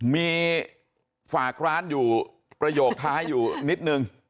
มีฝากร้านอยู่ประโยคท้ายอยู่นิดนึง